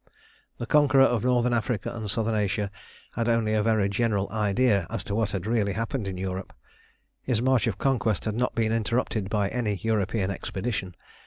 The conqueror of Northern Africa and Southern Asia had only a very general idea as to what had really happened in Europe. His march of conquest had not been interrupted by any European expedition.